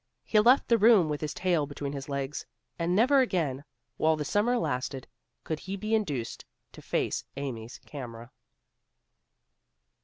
He left the room with his tail between his legs, and never again, while the summer lasted, could he be induced to face Amy's camera.